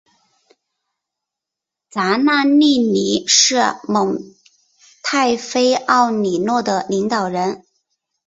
扎纳利尼是蒙泰菲奥里诺的领导人。